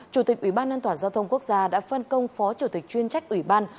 chủ tịch ủy ban an toàn giao thông quốc gia đã phân công phó chủ tịch chuyên trách ủy ban